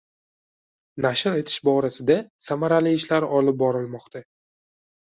Nashr etish borasida samarali ishlar olib borilmoqda